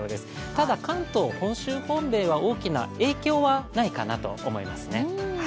ただ、関東、本州方面は大きな影響はないかなと思いますね。